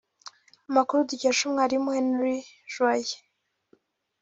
Amakuru dukesha umwarimu Henri Joyeux